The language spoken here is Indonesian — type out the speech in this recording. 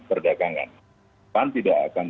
perdagangan pan tidak akan